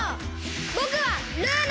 ぼくはルーナ！